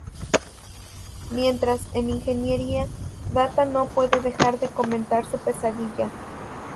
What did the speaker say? Mientras, en ingeniería, Data no puede dejar de comentar su pesadilla.